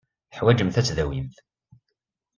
Teḥwajemt ad tdawimt.